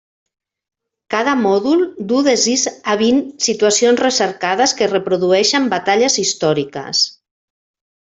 Cada mòdul du de sis a vint situacions recercades que reprodueixen batalles històriques.